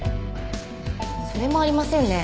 それもありませんね。